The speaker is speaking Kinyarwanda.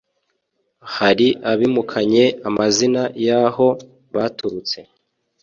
hari abimukanye amazina y'aho baturutse: